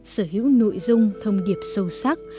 sở hữu nội dung thông điệp sâu sắc